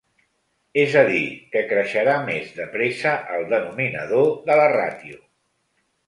És a dir, que creixerà més de pressa el denominador de la ràtio.